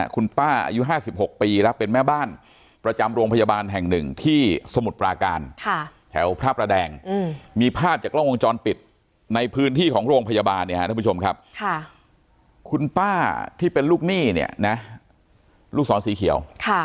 คุณป้าที่เป็นลูกหนี้ลูกสอนศรีเขียว